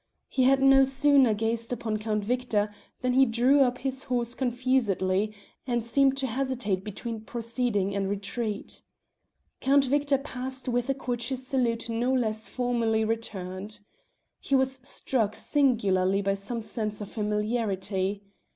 He had no sooner gazed upon Count Victor than he drew up his horse confusedly and seemed to hesitate between proceeding or retreat. Count Victor passed with a courteous salute no less formally returned. He was struck singularly by some sense of familiarity.